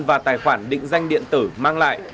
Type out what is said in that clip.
và tài khoản định danh điện tử mang lại